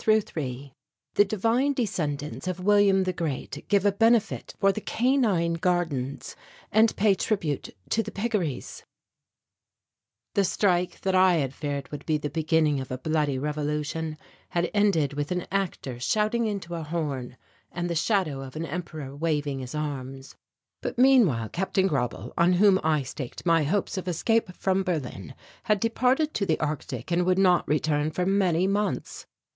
CHAPTER XII THE DIVINE DESCENDANTS OF WILLIAM THE GREAT GIVE A BENEFIT FOR THE CANINE GARDENS AND PAY TRIBUTE TO THE PIGGERIES ~1~ The strike that I had feared would be the beginning of a bloody revolution had ended with an actor shouting into a horn and the shadow of an Emperor waving his arms. But meanwhile Capt. Grauble, on whom I staked my hopes of escape from Berlin, had departed to the Arctic and would not return for many months.